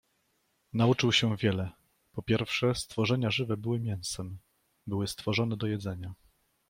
Nauczył się wiele. Po pierwsze, stworzenia żywe były mięsem. Były stworzone do jedzenia.